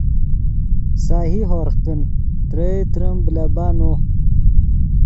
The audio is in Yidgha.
سہی ہورغ کن ترئے تریم بلیبہ نو